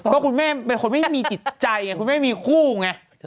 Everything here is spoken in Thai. ก็คุณแม่เป็นคนไม่มีจิตใจไงคุณแม่มีคู่ไง